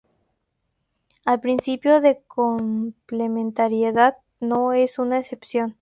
El principio de complementariedad no es una excepción.